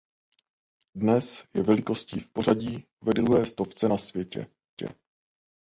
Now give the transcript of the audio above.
Dnes je velikostí v pořadí ve druhé stovce na světě.